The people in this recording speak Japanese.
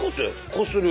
こする？